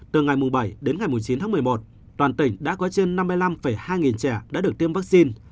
từ ngày bảy đến ngày chín tháng một mươi một toàn tỉnh đã có trên năm mươi năm hai nghìn trẻ đã được tiêm vaccine